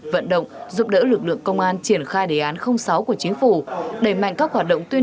vận động giúp đỡ lực lượng công an triển khai đề án sáu của chính phủ đẩy mạnh các hoạt động tuyên